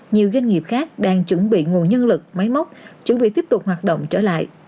nhiều doanh nghiệp khác đang chuẩn bị nguồn nhân lực máy móc chuẩn bị tiếp tục hoạt động trở lại